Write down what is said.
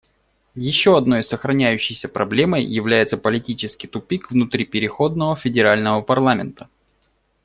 Еще одной сохраняющейся проблемой является политический тупик внутри переходного федерального парламента.